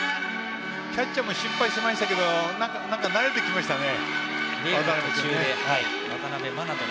キャッチャーも心配していましたけど慣れてきましたね。